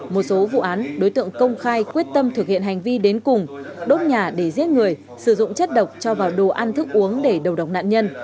một số vụ án đối tượng công khai quyết tâm thực hiện hành vi đến cùng đốt nhà để giết người sử dụng chất độc cho vào đồ ăn thức uống để đầu độc nạn nhân